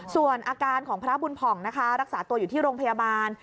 ส่วนอาการของพระบุญผ่องนะคะรักษาตัวอยู่ที่โรงพยาบาล